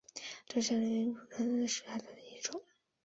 乐山铺地蜈蚣为蔷薇科铺地蜈蚣属下的一个种。